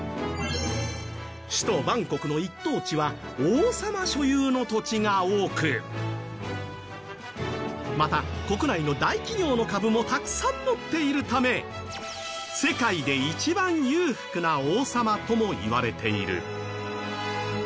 首都バンコクの一等地は王様所有の土地が多くまた、国内の大企業の株もたくさん持っているため世界で一番裕福な王様ともいわれている。